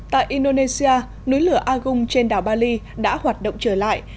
tại indonesia núi lửa agung trên đảo bali đã hoạt động trở lại